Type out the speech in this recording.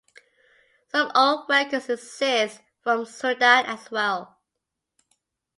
Some old records exist from Sudan as well.